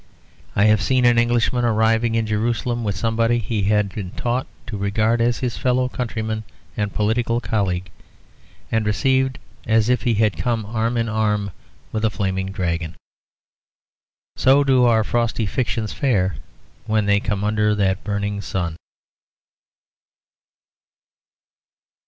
I have seen an Englishman arriving in Jerusalem with somebody he had been taught to regard as his fellow countryman and political colleague, and received as if he had come arm in arm with a flaming dragon. So do our frosty fictions fare when they come under that burning sun.